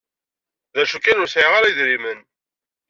D acu kan, ur sɛiɣ ara idrimen.